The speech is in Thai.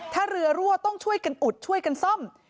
ถ้าเรือรั่วต้องช่วยกันอุดช่วยกันซ่อม